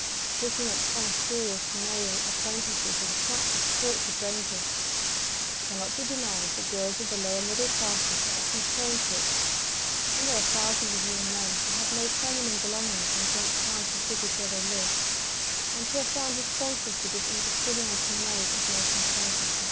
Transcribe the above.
] Picking up promiscuous male acquaintances is a practice fraught with danger. It cannot be denied that girls of the lower middle classes are often prone to it; and there are thousands of young men who have no feminine belongings in the great towns and cities where they live, and who are found responsive to this indiscriminating mode of making acquaintances.